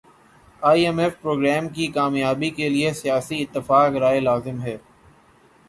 ائی M F programme کی کامیابی کیلئے سیاسی اتفاق رائے لازم ہے